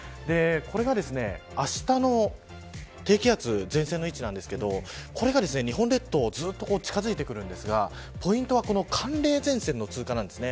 これが、あしたの低気圧前線の位置なんですけどこれが日本列島にずっと近づいてくるんですがポイントは寒冷前線の通過なんです。